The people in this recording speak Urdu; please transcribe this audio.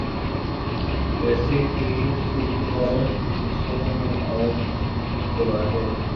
ویسی ہی صورتحال مصر میں آج روا ہے۔